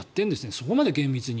そこまで厳密に。